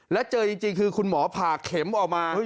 แล้วเจอจริงคือคุณหมอผ่าเข็มออกมา